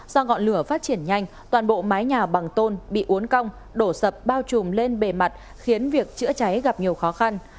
do ngọn lửa phát triển nhanh toàn bộ mái nhà bằng tôn bị uốn cong đổ sập bao trùm lên bề mặt khiến việc chữa cháy gặp nhiều khó khăn